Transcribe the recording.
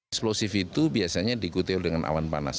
explosif itu biasanya dikutir dengan awan panas